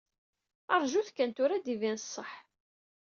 Rjut kan tura ad d-ibin ṣṣeḥ!